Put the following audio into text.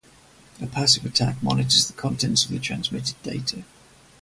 A passive attack monitors the contents of the transmitted data.